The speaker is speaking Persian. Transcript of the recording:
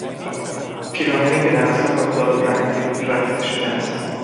پیراهنی که در اثر آفتاب رنگ رفته شده است